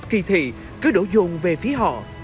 kỳ thị cứ đổ dồn về phía họ